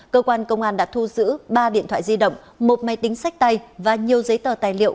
cơ quan công an đã thu giữ ba điện thoại di động một máy tính sách tay và nhiều giấy tờ tài liệu